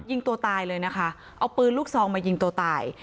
ยิงตัวตายเลยนะคะเอาปืนลูกซองมายิงตัวตาย